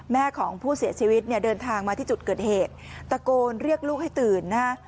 แม่ของผู้เสียชีวิตเนี่ยเดินทางมาที่จุดเกิดเหตุตะโกนเรียกลูกให้ตื่นนะฮะ